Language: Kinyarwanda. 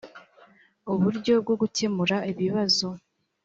uburyo bwo gukemura ibibazo